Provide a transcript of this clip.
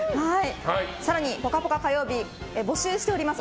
更に「ぽかぽか」火曜日では応募しております